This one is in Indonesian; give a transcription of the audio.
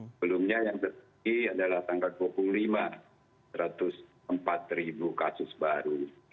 sebelumnya yang tertinggi adalah tanggal dua puluh lima satu ratus empat ribu kasus baru